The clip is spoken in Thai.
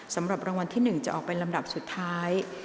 สำหรับรางวัลที่๑จะออกเป็นลำดับสุดท้าย